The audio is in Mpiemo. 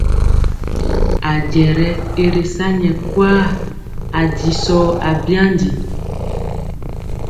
Ajɛ yɛ i ri sa nyɛ kwaa, ajisɔ abyandi.